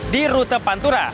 di rute pantura